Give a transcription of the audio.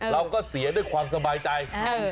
เราก็เสียด้วยความสบายใจ